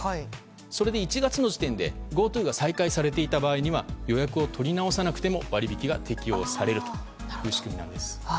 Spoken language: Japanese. そして１月の時点でＧｏＴｏが再開されていた場合には予約を取り直さなくても割引が適用されるという仕組みなんです。